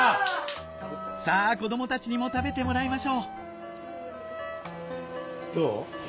さぁ子供たちにも食べてもらいましょうどう？